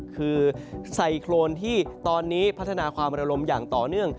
คือไซโครนที่ตอนนี้พัฒนาความระลมอย่างต่อเนื่อง